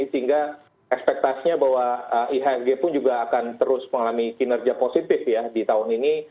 sehingga ekspektasinya bahwa ihsg pun juga akan terus mengalami kinerja positif ya di tahun ini